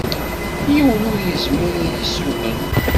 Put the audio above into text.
Yiwen ur yezmir ad yessugen.